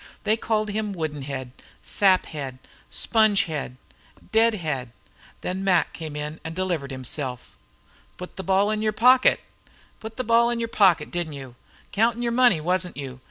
They called him "wooden head," "sap head," "sponge head," "dead head." Then Mac came in and delivered himself. "Put the ball in your pocket! Put the ball in your pocket, didn't you? Countin' your money, wasn't you?